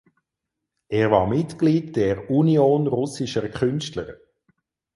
Er war Mitglied der Union Russischer Künstler.